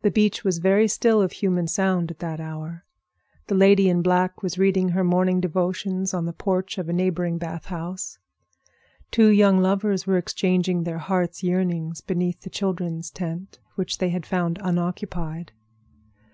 The beach was very still of human sound at that hour. The lady in black was reading her morning devotions on the porch of a neighboring bath house. Two young lovers were exchanging their hearts' yearnings beneath the children's tent, which they had found unoccupied.